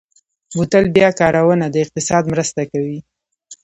بوتل بیا کارونه د اقتصاد مرسته کوي.